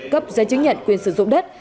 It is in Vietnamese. cấp giấy chứng nhận quyền sử dụng đất